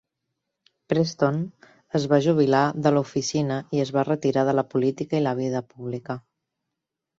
Preston es va jubilar de l'oficina i es va retirar de la política i la vida pública.